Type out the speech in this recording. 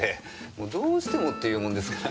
もうどうしてもって言うもんですから。